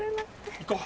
行こう。